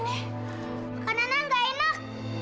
makanan aku enak